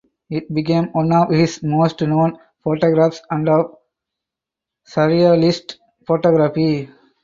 It became one of his most known photographs and of surrealist photography.